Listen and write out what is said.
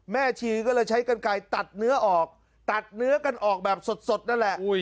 ชีก็เลยใช้กันไกลตัดเนื้อออกตัดเนื้อกันออกแบบสดนั่นแหละ